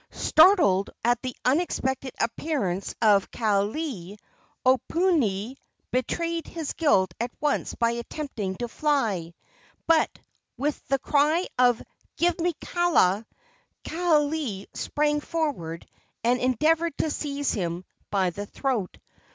Startled at the unexpected appearance of Kaaialii, Oponui betrayed his guilt at once by attempting to fly; but, with the cry of "Give me Kaala!" Kaaialii sprang forward and endeavored to seize him by the throat.